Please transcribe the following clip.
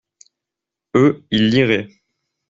Eux, ils liraient.